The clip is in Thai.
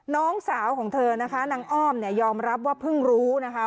น้องสาวของเธอนางอ้อมยอมรับว่าเพิ่งรู้นะคะ